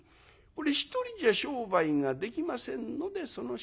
これ１人じゃ商売ができませんのでその日は休み。